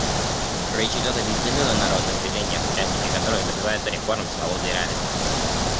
Речь идет о действительно народных движениях, участники которых добиваются реформ, свободы и равенства.